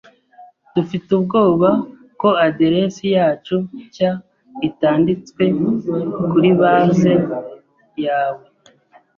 Dufite ubwoba ko aderesi yacu nshya itanditswe kuri base yawe.